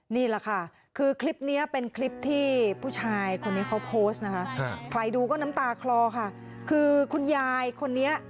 นี่แหละค่ะคือคลิปนี้เป็นคลิปที่ผู้ชายคนนี้เขาโพสต์นะคะใครดูก็น้ำตาคลอค่ะคือคุณยายคนนี้